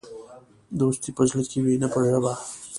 دوستي په زړه کې وي، نه په ژبه.